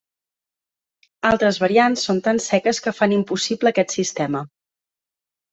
Altres variants són tan seques que fan impossible aquest sistema.